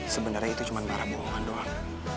sebenarnya itu cuma marah bohongan doang